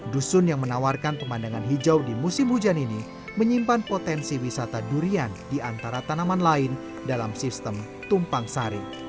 dusun yang menawarkan pemandangan hijau di musim hujan ini menyimpan potensi wisata durian di antara tanaman lain dalam sistem tumpang sari